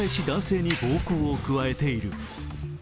男性に暴行を加えている。